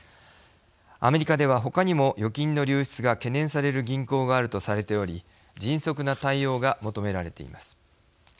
アメリカでは、他にも預金の流出が懸念される銀行があるとされており迅速な対応が求められています。